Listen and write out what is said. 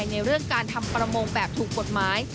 ในเรื่องการทำประมงแบบถูกกฎหมาย